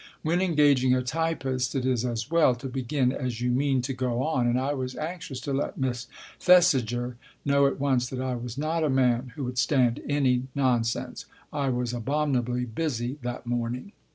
When engaging a typist it is as well to begin as you mean to go on, and I was anxious to let Miss Thesiger know at once that I was not a man who would stand any nonsense. I was abominably busy that morning.